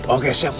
oke siap ibu